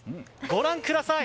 ご覧ください